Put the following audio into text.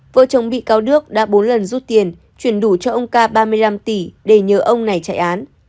vợ chồng bị cáo đức đã bốn lần rút tiền chuyển đủ cho ông ca ba mươi năm tỷ để nhờ ông này chạy án